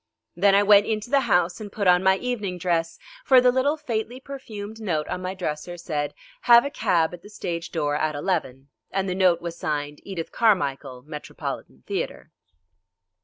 Then I went into the house and put on my evening dress, for the little faintly perfumed note on my dresser said, "Have a cab at the stage door at eleven," and the note was signed "Edith Carmichel, Metropolitan Theatre."